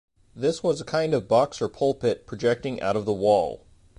This was а kind of box or pulpit projecting out of the wall.